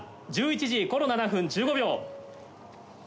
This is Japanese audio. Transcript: １１時７分１５秒。